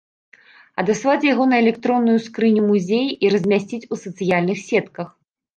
Адаслаць яго на электронную скрыню музея і размясціць у сацыяльных сетках.